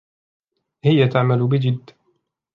هي تعمل بجد.